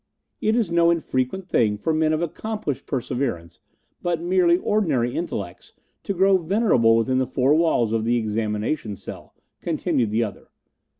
"It is no infrequent thing for men of accomplished perseverance, but merely ordinary intellects, to grow venerable within the four walls of the examination cell," continued the other.